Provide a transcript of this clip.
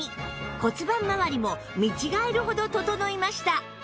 骨盤まわりも見違えるほど整いました